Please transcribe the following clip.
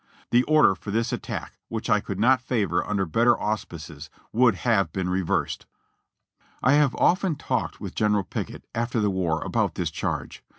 The order for this attack, which I could not favor under better auspices, would Jiave been reversed^ 1 have often talked with General Pickett, after the war, about this charge.